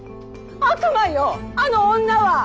悪魔よあの女は！